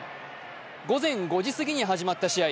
午前５時過ぎに始まった試合。